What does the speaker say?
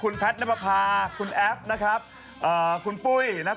คุณแพทย์น้ำภาพคุณแอฟนะครับคุณปุ้ยน้ำภาพ